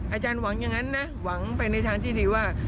อาจารย์หวังอย่างนั้นนะหวังไปในทางที่ดีว่า